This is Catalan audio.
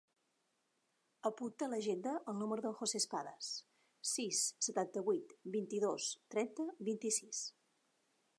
Apunta a l'agenda el número del José Espadas: sis, setanta-vuit, vint-i-dos, trenta, vint-i-sis.